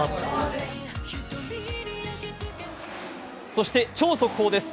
そして超速報です。